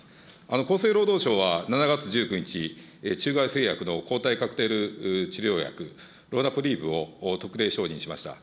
厚生労働省は７月１９日、中外製薬の抗体カクテル治療薬、ロナプリーブを特例承認しました。